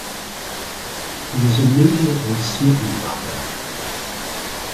He is immediately smitten by her.